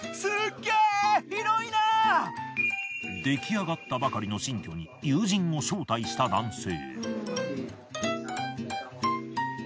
出来上がったばかりの新居に友人を招待した男性。